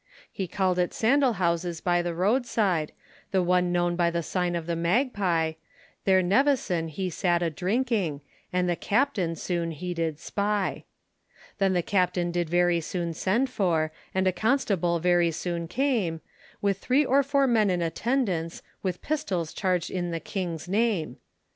He call'd at Sandal Houses by the road side, The one known by the sign of the Magpie, There Nevison he sat a drinking, And the Captain soon he did spy. Then the captain did very soon send for, And a constable very soon came; With three or four men in attendance, With pistols charged in the King's name.